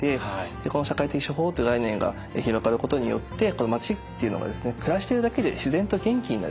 この「社会的処方」という概念が広がることによってこの町っていうのが暮らしてるだけで自然と元気になる。